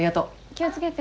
気を付けて。